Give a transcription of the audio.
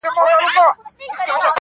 پريزادي – ماینازي، زه راغلی یم و پلور ته